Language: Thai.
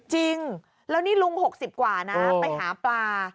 จริงแล้วนี่ลุง๖๐กว่านะไปหาปลา